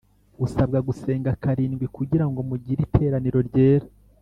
Usabwa gusenga karindwi kugirango mugire iteraniro ryera